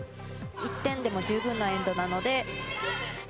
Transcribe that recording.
１点でも十分なエンドなので。